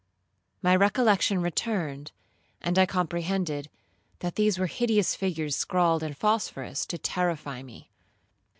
My recollection returned, and I comprehended, that these were hideous figures scrawled in phosphorous, to terrify me.